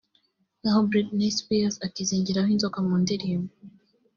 naho Britney Spears akizingiraho inzoka mu ndirimbo